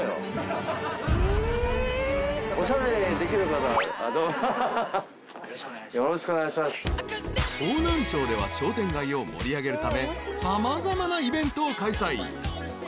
［方南町では商店街を盛り上げるため様々なイベントを開催］